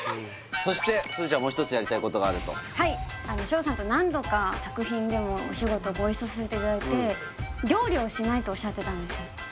そしてすずちゃんもう一つやりたいことがあるとはいあの翔さんと何度か作品でもお仕事ご一緒させていただいて料理をしないとおっしゃってたんですよ